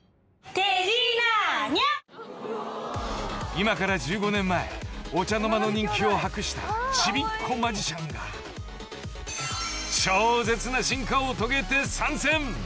［今から１５年前お茶の間の人気を博したチビっ子マジシャンが超絶な進化を遂げて参戦！］